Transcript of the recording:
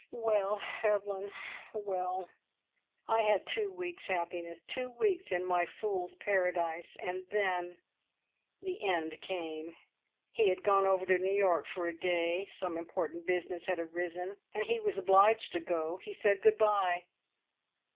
"Well, Evelyn well! I had two weeks' happiness, two weeks in my fool's paradise, and then the end came! He had gone over to New York for a day. Some important business had arisen and he was obliged to go. He said good bye."